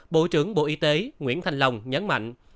bộ trưởng bộ y tế nguyễn thanh long nhấn mạnh